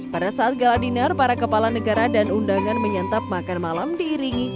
pada saat gala dinar para kepala negara dan undangan menyantap makan malam diiringi